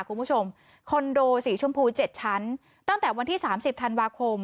คุณผู้ชมคอนโดสีชมพู๗ชั้นตั้งแต่วันที่๓๐ธันวาคม